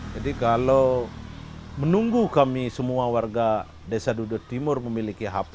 jadi kalau menunggu kami semua warga desa dudatimur memiliki hp